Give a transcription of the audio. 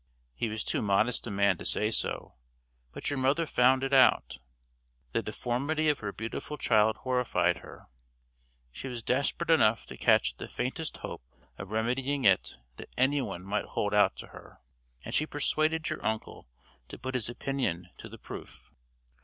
He was too modest a man to say so, but your mother found it out. The deformity of her beautiful child horrified her. She was desperate enough to catch at the faintest hope of remedying it that anyone might hold out to her; and she persuaded your uncle to put his opinion to the proof.